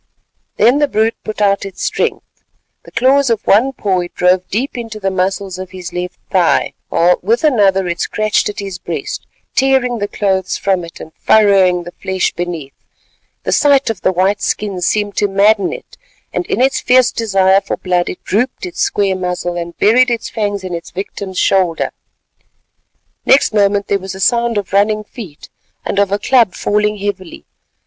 Then the brute put out its strength. The claws of one paw it drove deep into the muscles of his left thigh, while with another it scratched at his breast, tearing the clothes from it and furrowing the flesh beneath. The sight of the white skin seemed to madden it, and in its fierce desire for blood it drooped its square muzzle and buried its fangs in its victim's shoulder. Next moment there was a sound of running feet and of a club falling heavily.